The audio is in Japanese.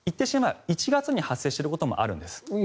１月に発生していることもあるんです。